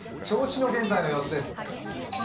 銚子の現在の様子です。